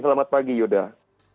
selamat pagi yaudah